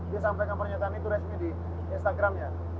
dia sampaikan pernyataan itu resmi di instagramnya